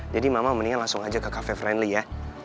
jadi mama mendingan langsung aja ke cafe friendly ya